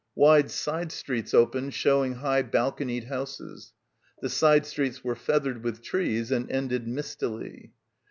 Wide side streets opened showing high balconied houses. The side streets were feathered with trees and ended mistily.